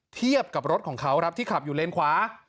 เทียบกับรถของเขาครับที่ขับอยู่เลนขวา